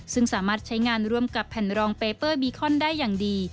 ซึ่งสามารถใช้งานร่วมกับแผ่นรองเปเปอร์บีคอนได้อย่างดี